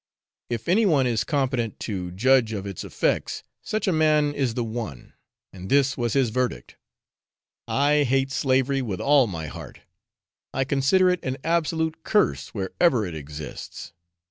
If any one is competent to judge of its effects, such a man is the one; and this was his verdict, 'I hate slavery with all my heart; I consider it an absolute curse wherever it exists.